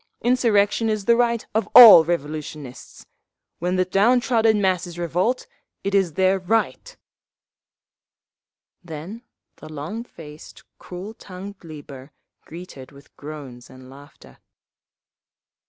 Insurrection is the right of all revolutionists! When the down trodden masses revolt, it is their right…." Then the long faced, cruel tongued Lieber, greeted with groans and laughter.